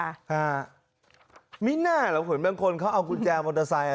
ค่ะมีหน้าเหรอคุณบางคนเขาเอากุญแจมอเตอร์ไซน์